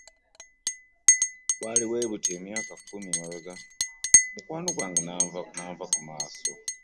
Bwali bwe buti emyaka kkumi emabega mukwano gwange n'anva ku maaso.